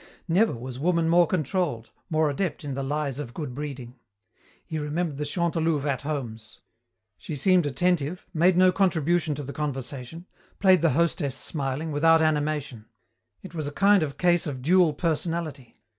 Never was woman more controlled, more adept in the lies of good breeding. He remembered the Chantelouve at homes. She seemed attentive, made no contribution to the conversation, played the hostess smiling, without animation. It was a kind of case of dual personality.